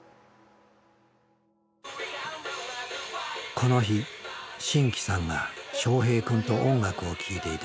この日真気さんがしょうへい君と音楽を聴いていた。